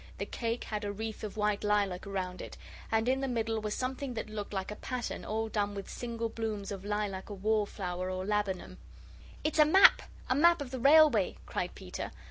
The cake had a wreath of white lilac round it, and in the middle was something that looked like a pattern all done with single blooms of lilac or wallflower or laburnum. "It's a map a map of the railway!" cried Peter.